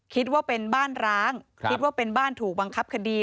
คิดว่าเป็นบ้านร้างคิดว่าเป็นบ้านถูกบังคับคดี